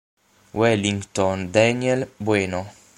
Wellington Daniel Bueno